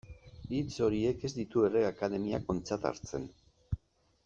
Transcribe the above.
Hitz horiek ez ditu Errege Akademiak ontzat hartzen.